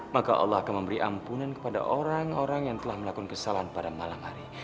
maka allah akan memberi ampunan kepada orang orang yang telah melakukan kesalahan pada malam hari